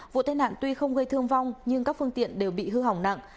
vụ tai nạn tuy không gây thương vong nhưng các phương tiện đều bị hư hỏng nặng